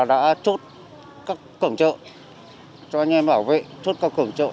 đã chốt các cổng chợ cho anh em bảo vệ chốt các cổng chợ